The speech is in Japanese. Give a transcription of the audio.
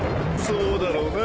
そうだろうな！］